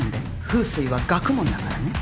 風水は学問だからね。